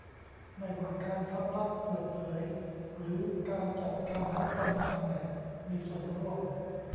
ไม่ว่าการทำ รัฐเปิดเผย หรือ การจัดการงบประมาณแบบมีส่วนร่วม